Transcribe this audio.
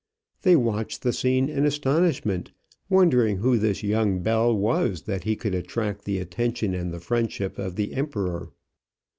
They watched the scene in astonishment, wondering who this young Bell was that he could attract the attention and the friendship of the Emperor.